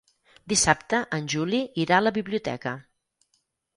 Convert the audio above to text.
Dissabte en Juli irà a la biblioteca.